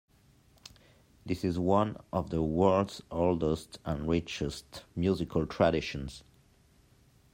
This is one of the world's oldest and richest musical traditions.